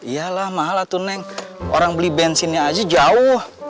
iya lah mahal lah tuh neng orang beli bensinnya aja jauh